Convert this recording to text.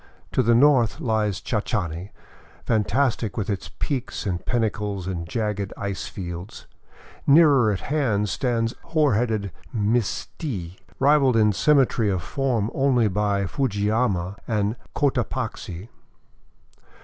To the north lies Chachani, fantastic with its peaks and pinnacles and jagged ice fields; nearer at hand stands hoar headed Misti, rivalled in symmetry of form only by Fujiyama and Cotapaxi.